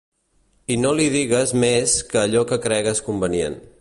I no li digues més que allò que cregues convenient.